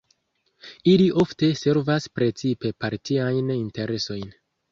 Ili ofte servas precipe partiajn interesojn.